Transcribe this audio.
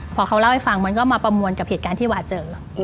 พอเขาเล่าให้ฟังมันก็มาประมวลกับเหตุการณ์ที่วาเจอ